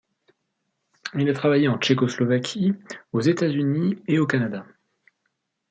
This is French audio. Il a travaillé en Tchécoslovaquie, aux États-Unis et au Canada.